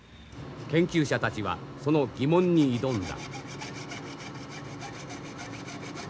研究者たちはその疑問に挑んだ。